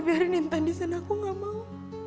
biarin di sana aku gak mau